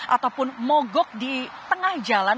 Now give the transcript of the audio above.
ataupun mogok di tengah jalan